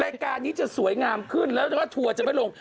รายการนี้จะสวยงามขึ้นแล้วก็ทัวร์จะไม่ลง